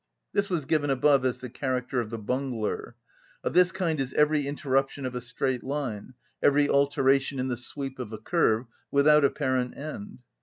This was given above as the character of the bungler. Of this kind is every interruption of a straight line, every alteration in the sweep of a curve, without apparent end.